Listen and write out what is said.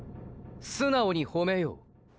素直に褒めよう。